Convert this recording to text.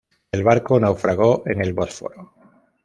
El barco naufragó en el Bósforo.